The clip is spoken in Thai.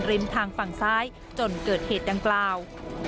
ริมทางฝั่งซ้ายจนเกิดเหตุดังกล่าว